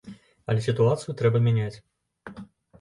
Але сітуацыю трэба мяняць.